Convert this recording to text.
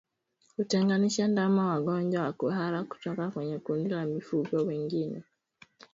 Kutengenisha ndama wagonjwa wa kuhara kutoka kwenye kundi la mifugo wengine hudhibiti ugonjwa